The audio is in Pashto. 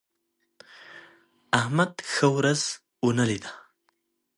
احمد ښه ورځ ونه لیده.